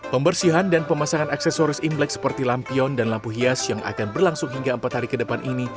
pembersihan dan pemasangan aksesoris imlek seperti lampion dan lampu hias yang akan berlangsung hingga empat hari ke depan ini